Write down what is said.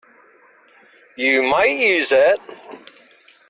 You might use that.